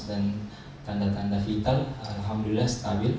dan tanda tanda vital alhamdulillah stabil